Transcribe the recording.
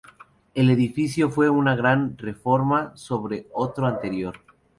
El edificio fue una gran reforma sobre otro anterior.